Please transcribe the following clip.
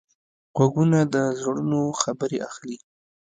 غوږونه د زړونو خبرې اخلي